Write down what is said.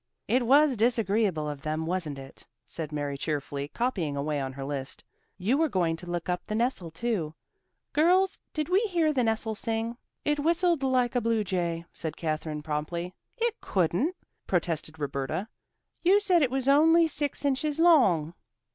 "It was disagreeable of them, wasn't it?" said Mary cheerfully, copying away on her list. "You were going to look up the nestle too. Girls, did we hear the nestle sing?" "It whistled like a blue jay," said Katherine promptly. "It couldn't," protested Roberta. "You said it was only six inches long."